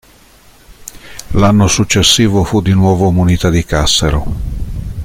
L'anno successivo fu di nuovo munita di cassero.